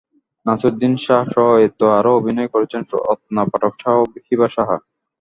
নাসিরুদ্দিন শাহসহ এতে আরও অভিনয় করছেন রত্না পাঠক শাহ ও হিবা শাহ।